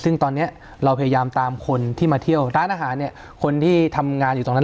ซึ่งตอนนี้เราพยายามตามคนที่มาเที่ยวร้านอาหารเนี่ยคนที่ทำงานอยู่ตรงนั้น